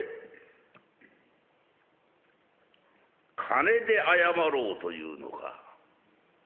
「金で謝ろうというのか」。